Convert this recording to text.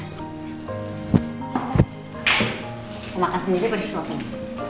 makan sendiri beri suapin